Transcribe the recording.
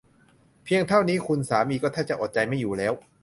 เพียงเท่านี้คุณสามีก็แทบจะอดใจไม่อยู่แล้ว